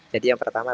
jadi yang pertama